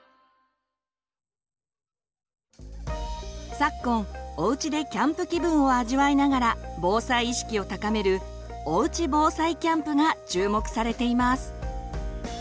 昨今おうちでキャンプ気分を味わいながら防災意識を高める「おうち防災キャンプ」が注目されています。